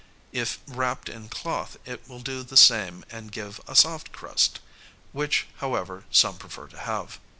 If wrapped in cloth it will do the same and give a soft crust, which, however, some prefer to have.